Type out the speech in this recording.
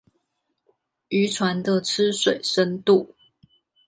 漁船的吃水深度